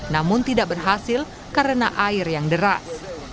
namun tidak berhasil karena air yang deras